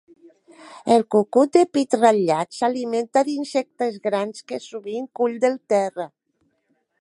El cucut de pit ratllat s'alimenta d'insectes grans que, sovint, cull del terra.